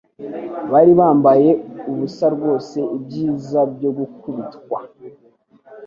bari bambaye ubusa rwose ibyiza byo gukubitwa